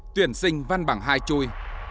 tuyển sinh văn bằng hai chui